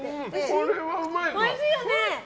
これはうまい！